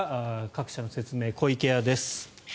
各社の説明、湖池屋です。